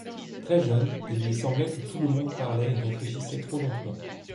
Très jeune, il lui semblait que tout le monde parlait et réfléchissait trop lentement.